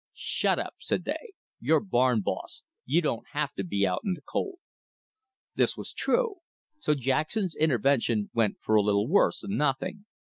"Shut up!" said they. "You're barn boss. You don't have to be out in th' cold." This was true. So Jackson's intervention went for a little worse than nothing.